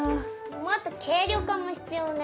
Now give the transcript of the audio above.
もっと軽量化も必要ね。